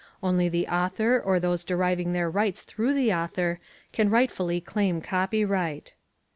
Only the author or those deriving their rights through the author can rightfully claim copyright.